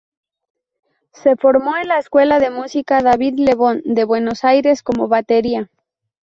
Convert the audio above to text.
Se formó en la escuela de música David Lebón de Buenos Aires como batería.